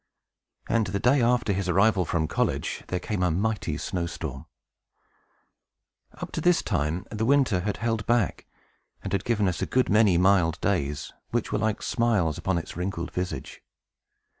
And, the day after his arrival from college, there came a mighty snow storm. Up to this time, the winter had held back, and had given us a good many mild days, which were like smiles upon its wrinkled visage.